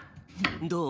どう？